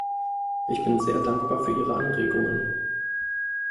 Ich bin sehr dankbar für Ihre Anregungen.